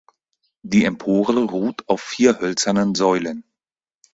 Die Empore ruht auf vier hölzernen Säulen.